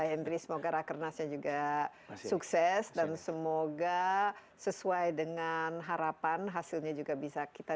henry semoga rakernasnya juga sukses dan semoga sesuai dengan harapan hasilnya juga bisa kita